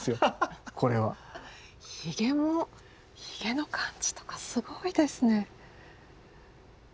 ひげもひげの感じとかすごいですね。